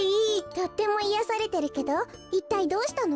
とってもいやされてるけどいったいどうしたの？